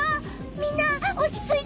みんなおちついて！